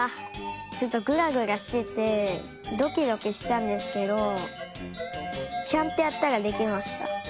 ちょっとグラグラしててドキドキしたんですけどちゃんとやったらできました。